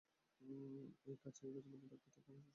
এই খাঁচায় বন্দি থাকতে থাকতে আমি অসহ্য।